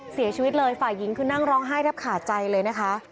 เสียชีวิตเลยฝ่ายหญิงคือนั่งร้องไห้แทบขาดใจเลยนะคะ